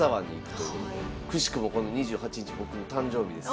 くしくもこの２８日僕の誕生日です。